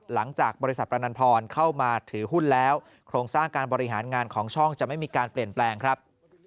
หลังจากบริษัทประนันพรเข้ามาถือหุ้นแล้วโครงสร้างการบริหารงานของช่องจะไม่มีการเปลี่ยนแปลงครับ